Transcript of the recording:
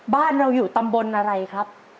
บ้านเราอยู่ตำบลอะไรครับ